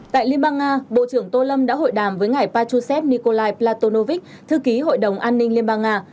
tại liên bang nga bộ trưởng tô lâm đã hội đàm với ngài pachusev nikolai platonovic thư ký hội đồng an ninh liên bang nga